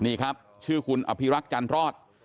นี่ครับชื่อคุณอภิรักษ์จันรอด